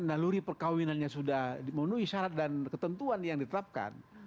naluri perkawinannya sudah memenuhi syarat dan ketentuan yang ditetapkan